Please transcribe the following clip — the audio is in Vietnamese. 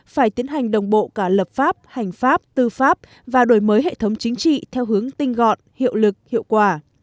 phải tiến hành đồng bộ cả lập pháp hành pháp tư pháp và đổi mới hệ thống chính trị theo hướng tinh gọn hiệu lực hiệu quả